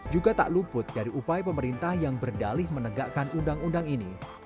juga tak luput dari upaya pemerintah yang berdalih menegakkan undang undang ini